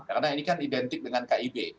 karena ini kan identik dengan kib